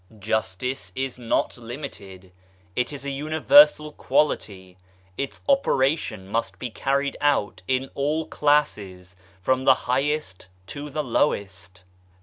Justice is not limited, it is a universal quality. Its operation must be carried out in all classes, from the highest to the lowest.